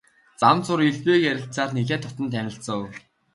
Зам зуур элдвийг ярилцсаар нэлээд дотно танилцав.